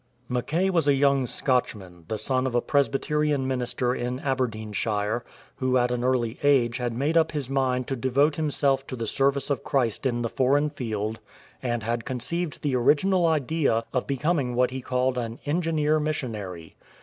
Mackay was a young Scotchman, the son of a Presby terian minister in Aberdeenshire, who at an early age had made up his mind to devote himself to the service of Christ in the foreign field, and had conceived the original idea of becoming what he called an "engineer missionary."